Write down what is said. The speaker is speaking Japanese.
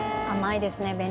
甘いですね